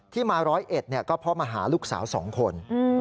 มาร้อยเอ็ดก็เพราะมาหาลูกสาว๒คน